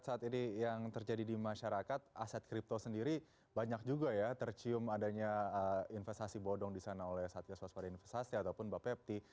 saat ini yang terjadi di masyarakat aset crypto sendiri banyak juga ya tercium adanya investasi bodong disana oleh satya swaswari investasi ataupun mbak pepty